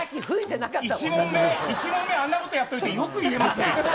１問目、１問目、あんなことやっといて、よく言えますね。